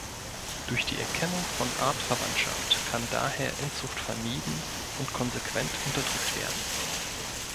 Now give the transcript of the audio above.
Durch die Erkennung von Artverwandtschaft kann daher Inzucht vermieden und konsequent unterdrückt werden.